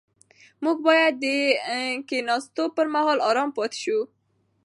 موږ باید د کښېناستو پر مهال ارام پاتې شو.